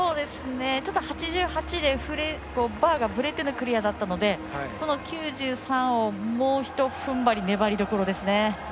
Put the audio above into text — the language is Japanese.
８８でバーがぶれてのクリアだったのでこの９３を、もうひと踏ん張り粘りどころですね。